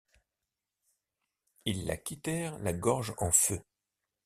Ils la quittèrent, la gorge en feu.